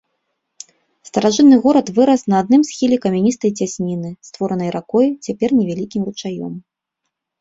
Старажытны горад вырас на адным схіле камяністай цясніны, створанай ракой, цяпер невялікім ручаём.